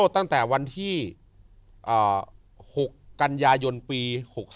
ตั้งแต่วันที่๖กันยายนปี๖๕